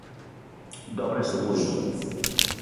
Dob-ro asse we i?